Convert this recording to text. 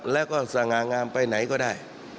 แล้วก็สง่างามไปไหนก็ได้